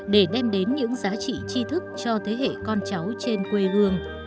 để đem đến những giá trị chi thức cho thế hệ con cháu trên quê hương